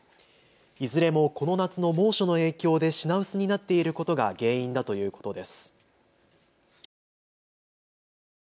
いずれもこの夏の猛暑の影響で品薄になっていることが原因だということです。